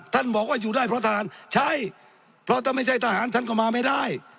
บอกว่าอยู่ได้เพราะทานใช่เพราะถ้าไม่ใช่ทหารท่านก็มาไม่ได้